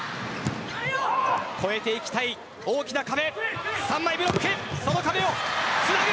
越えていきたい大きな壁。